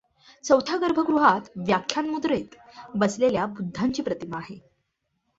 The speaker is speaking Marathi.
चौथ्या गर्भगृहात व्याख्यान मुद्रेत बसलेल्या बुद्धाची प्रतिमा आहे.